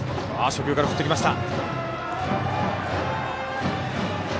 初球から振ってきました。